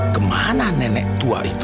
kemana nenek tua itu